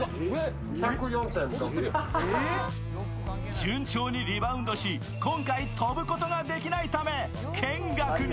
順調にリバウンドし、今回飛ぶことができないため見学に。